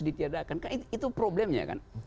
ditiadakan itu problemnya kan